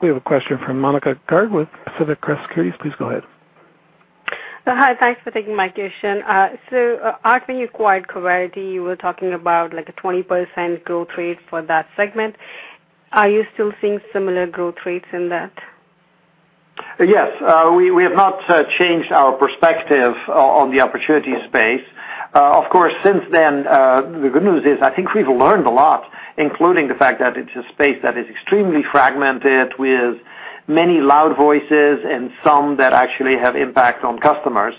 We have a question from Monika Garg with Pacific Crest Securities. Please go ahead. Hi, thanks for taking my question. Aart, when you acquired Coverity, you were talking about a 20% growth rate for that segment. Are you still seeing similar growth rates in that? Yes. We have not changed our perspective on the opportunity space. Of course, since then, the good news is, I think, we've learned a lot, including the fact that it's a space that is extremely fragmented with many loud voices and some that actually have impact on customers.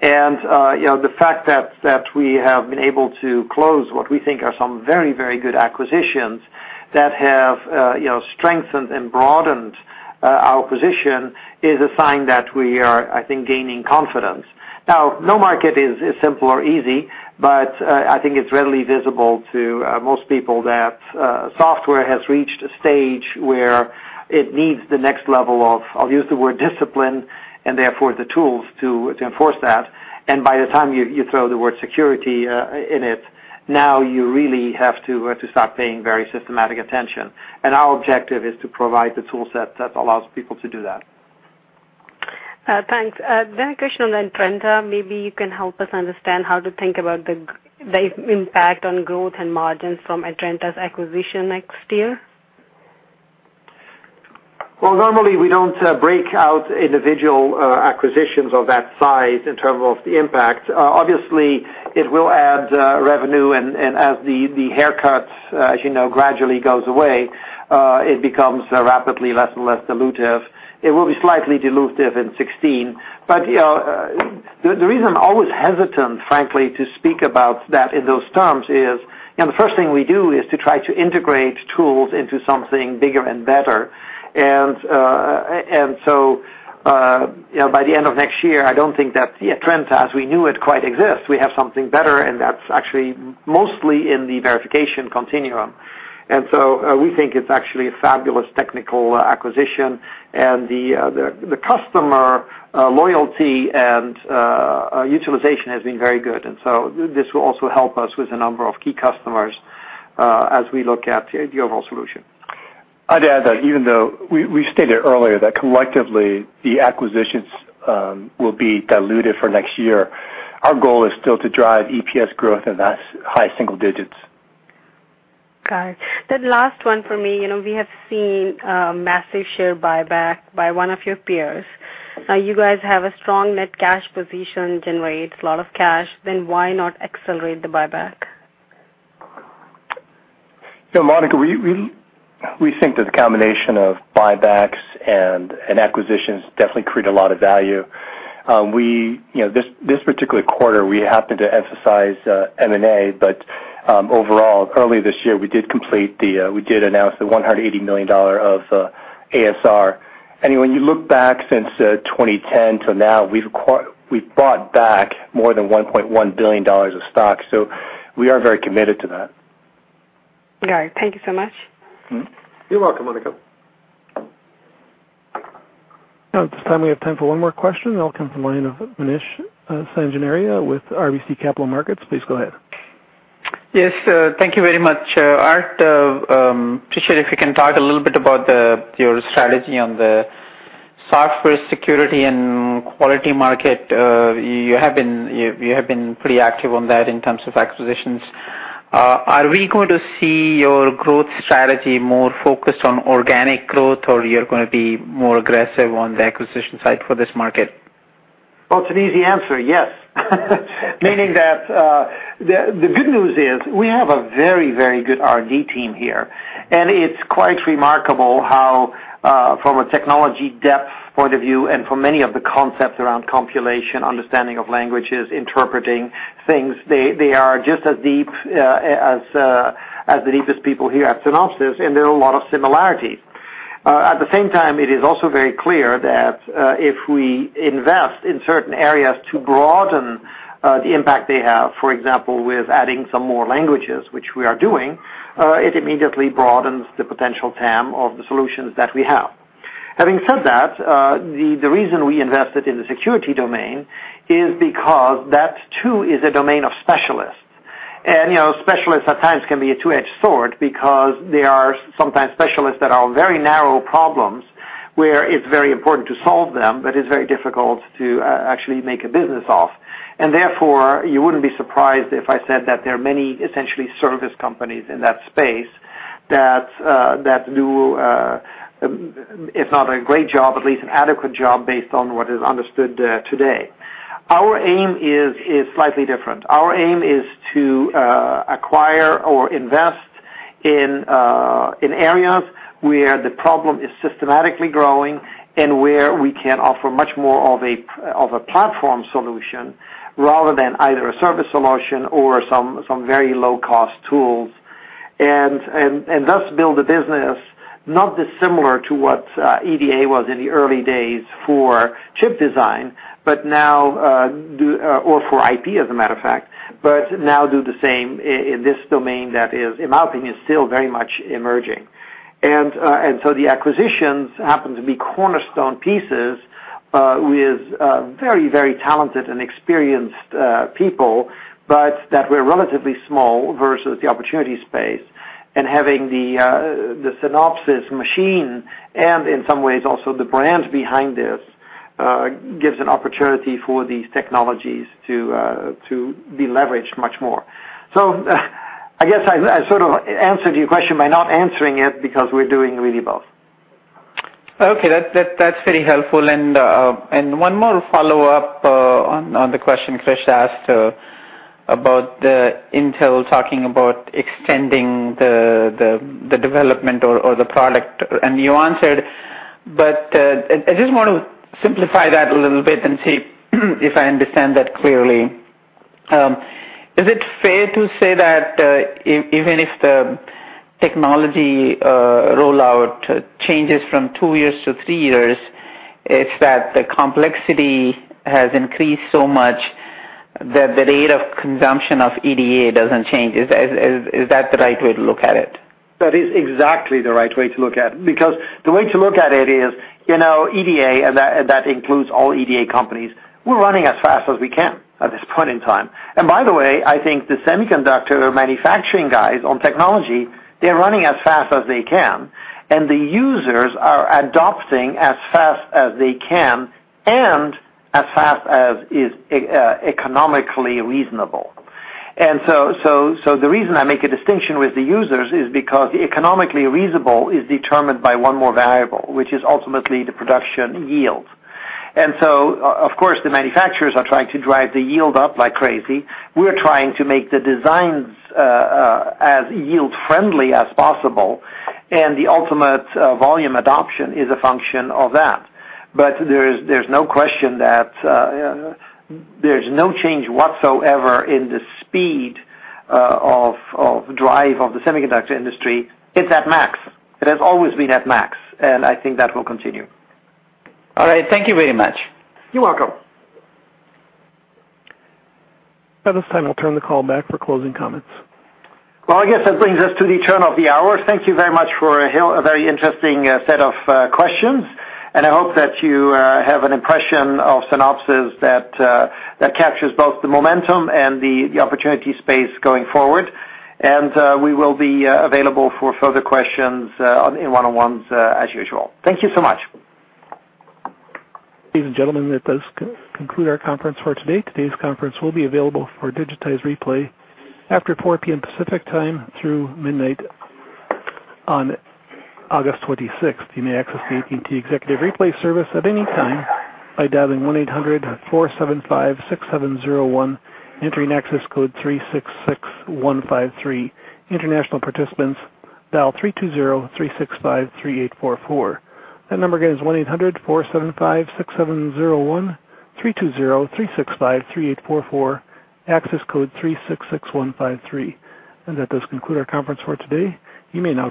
The fact that we have been able to close what we think are some very good acquisitions that have strengthened and broadened our position is a sign that we are, I think, gaining confidence. No market is simple or easy, but I think it's readily visible to most people that software has reached a stage where it needs the next level of, I'll use the word discipline, and therefore the tools to enforce that. By the time you throw the word security in it, now you really have to start paying very systematic attention. Our objective is to provide the tool set that allows people to do that. Thanks. A question on Atrenta. Maybe you can help us understand how to think about the impact on growth and margins from Atrenta's acquisition next year. Well, normally we don't break out individual acquisitions of that size in terms of the impact. Obviously, it will add revenue, and as the haircuts, as you know, gradually goes away it becomes rapidly less and less dilutive. It will be slightly dilutive in 2016. The reason I'm always hesitant, frankly, to speak about that in those terms is the first thing we do is to try to integrate tools into something bigger and better. By the end of next year, I don't think that Atrenta as we knew it quite exists. We have something better, and that's actually mostly in the Verification Continuum. We think it's actually a fabulous technical acquisition, and the customer loyalty and utilization has been very good. This will also help us with a number of key customers as we look at the overall solution. I'd add that even though we stated earlier that collectively the acquisitions will be dilutive for next year, our goal is still to drive EPS growth in the high single digits. Got it. Last one for me. Now you guys have a strong net cash position, generate a lot of cash, why not accelerate the buyback? Monika, we think that the combination of buybacks and acquisitions definitely create a lot of value. This particular quarter, we happened to emphasize M&A, but overall, early this year, we did announce the $180 million of ASR. When you look back since 2010 to now, we've bought back more than $1.1 billion of stock. We are very committed to that. Got it. Thank you so much. You're welcome, Monika. Now at this time, we have time for one more question. It'll come from the line of Mahesh Sanganeria with RBC Capital Markets. Please go ahead. Yes, thank you very much, Art. Appreciate if you can talk a little bit about your strategy on the Software security and quality market, you have been pretty active on that in terms of acquisitions. Are we going to see your growth strategy more focused on organic growth, or you're going to be more aggressive on the acquisition side for this market? Well, it's an easy answer, yes. Meaning that, the good news is we have a very, very good R&D team here, and it's quite remarkable how, from a technology depth point of view and for many of the concepts around compilation, understanding of languages, interpreting things, they are just as deep as the deepest people here at Synopsys, and there are a lot of similarities. At the same time, it is also very clear that if we invest in certain areas to broaden the impact they have, for example, with adding some more languages, which we are doing, it immediately broadens the potential TAM of the solutions that we have. Having said that, the reason we invested in the security domain is because that too is a domain of specialists. Specialists at times can be a two-edged sword because there are sometimes specialists that are very narrow problems, where it's very important to solve them, but it's very difficult to actually make a business of. Therefore, you wouldn't be surprised if I said that there are many essentially service companies in that space that do, if not a great job, at least an adequate job based on what is understood today. Our aim is slightly different. Our aim is to acquire or invest in areas where the problem is systematically growing and where we can offer much more of a platform solution rather than either a service solution or some very low-cost tools. Thus build a business not dissimilar to what EDA was in the early days for chip design, or for IP, as a matter of fact, but now do the same in this domain that is, in my opinion, still very much emerging. The acquisitions happen to be cornerstone pieces, with very talented and experienced people, but that we're relatively small versus the opportunity space and having the Synopsys machine and in some ways also the brands behind this, gives an opportunity for these technologies to be leveraged much more. I guess I sort of answered your question by not answering it because we're doing really both. Okay. That's very helpful. One more follow-up on the question Krish asked about Intel talking about extending the development or the product, and you answered, but I just want to simplify that a little bit and see if I understand that clearly. Is it fair to say that, even if the technology rollout changes from two years to three years, if that the complexity has increased so much that the rate of consumption of EDA doesn't change? Is that the right way to look at it? That is exactly the right way to look at it, because the way to look at it is, EDA, that includes all EDA companies, we're running as fast as we can at this point in time. By the way, I think the semiconductor manufacturing guys on technology, they're running as fast as they can, and the users are adopting as fast as they can and as fast as is economically reasonable. The reason I make a distinction with the users is because economically reasonable is determined by one more variable, which is ultimately the production yield. Of course, the manufacturers are trying to drive the yield up like crazy. We're trying to make the designs as yield-friendly as possible, and the ultimate volume adoption is a function of that. There's no question that there's no change whatsoever in the speed of drive of the semiconductor industry. It's at max. It has always been at max, and I think that will continue. All right. Thank you very much. You're welcome. At this time, I'll turn the call back for closing comments. Well, I guess that brings us to the turn of the hour. Thank you very much for a very interesting set of questions, and I hope that you have an impression of Synopsys that captures both the momentum and the opportunity space going forward. We will be available for further questions in one-on-ones as usual. Thank you so much. Ladies and gentlemen, that does conclude our conference for today. Today's conference will be available for digitized replay after 4:00 P.M. Pacific Time through midnight on August 26th. You may access the AT&T Executive Replay service at any time by dialing 1-800-475-6701, entering access code 366153. International participants, dial 320-365-3844. That number again is 1-800-475-6701 320-365-3844, access code 366153. That does conclude our conference for today. You may now-